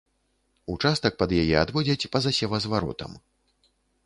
Участак пад яе адводзяць па-за севазваротам.